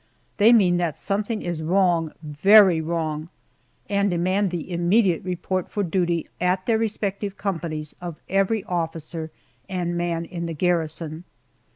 They mean that something is wrong very wrong and demand the immediate report for duty at their respective companies of every officer and man in the garrison.